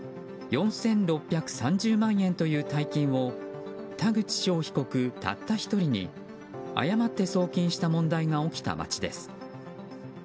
４６３０万円という大金を田口翔被告たった１人に誤って送金した問題が起きた町です。